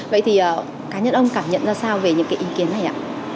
vậy thì cá nhân ông cảm nhận ra sao về những cái ý kiến này ạ